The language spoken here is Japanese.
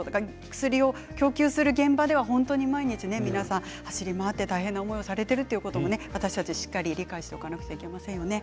薬を供給する現場では毎日、皆さん走り回って大変な思いをしているということも私たちしっかり理解しておかないといけませんね。